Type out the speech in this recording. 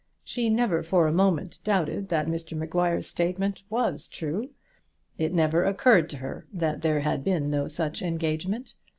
She never for a moment doubted that Mr Maguire's statement was true. It never occurred to her that there had been no such engagement.